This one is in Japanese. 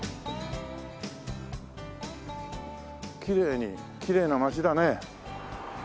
きれいにきれいな町だね。